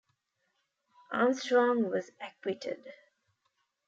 Armstrong was acquitted.